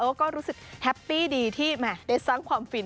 เออก็รู้สึกพร้อมดีที่มันสร้างความฝีน